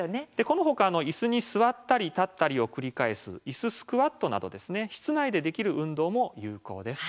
このほかいすに座ったり立ったりを繰り返すいすスクワットなど室内でできる運動も有効です。